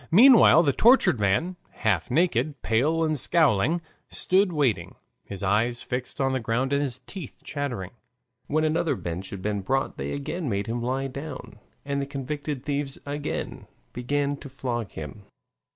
Meanwhile the tortured man, half naked, pale and scowling, stood waiting, his eyes fixed on the ground and his teeth chattering. When another bench had been brought they again made him lie down, and the convicted thieves again began to flog him.